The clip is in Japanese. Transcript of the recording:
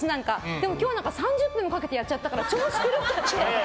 でも、今日なんか３０分もかけてやっちゃったから調子、狂っちゃって。